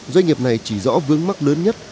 doanh nghiệp này chỉ rõ vướng mắt lớn nhất